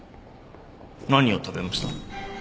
何を食べました？